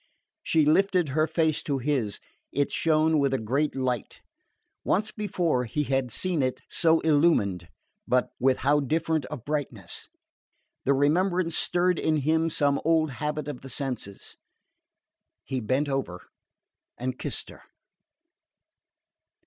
She lifted her face to his. It shone with a great light. Once before he had seen it so illumined, but with how different a brightness! The remembrance stirred in him some old habit of the senses. He bent over and kissed her.